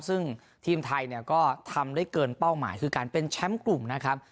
ซึ่งทีมไทยเนี่ยก็ทำได้เกินเป้าหมายคือการเป็นแชมป์กลุ่มนะครับ